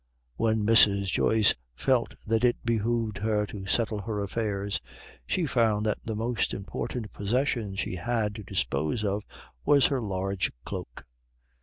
When Mrs. Joyce felt that it behooved her to settle her affairs, she found that the most important possession she had to dispose of was her large cloak.